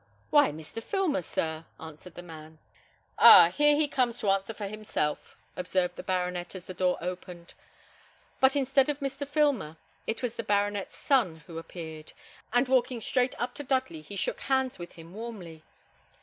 "Why, Mr. Filmer, sir," answered the man. "Ah! here he comes to answer for himself," observed the baronet as the door opened; but instead of Mr. Filmer, it was the baronet's son who appeared, and walking straight up to Dudley, he shook hands with him warmly.